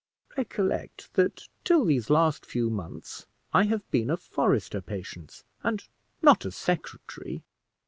"Recollect, that till these last few months I have been a forester, Patience, and not a secretary.